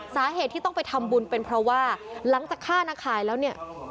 สาเหตุที่ต้องไปทำบุญเป็นเพราะว่าหลังจากฆ่านาคายแล้วเนี่ย